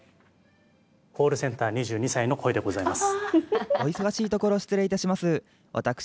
コールセンター２２歳の声でございます。